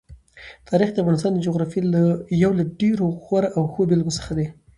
تاریخ د افغانستان د جغرافیې یو له ډېرو غوره او ښو بېلګو څخه دی.